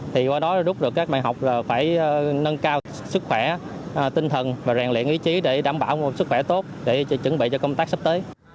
thì qua đó rút được các bài học là phải nâng cao sức khỏe tinh thần và rèn luyện ý chí để đảm bảo nguồn sức khỏe tốt để chuẩn bị cho công tác sắp tới